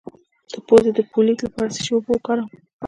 د پوزې د پولیت لپاره د څه شي اوبه وکاروم؟